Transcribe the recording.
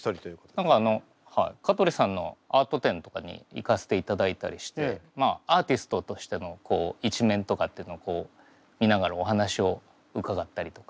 何か香取さんのアート展とかに行かせていただいたりしてまあアーティストとしての一面とかっていうのをこう見ながらお話を伺ったりとか。